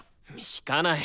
弾かない。